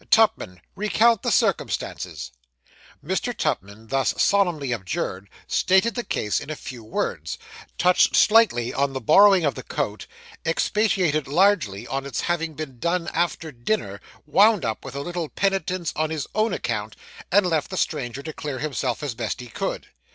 Tupman, recount the circumstances.' Mr. Tupman, thus solemnly adjured, stated the case in a few words; touched slightly on the borrowing of the coat; expatiated largely on its having been done 'after dinner'; wound up with a little penitence on his own account; and left the stranger to clear himself as best he could.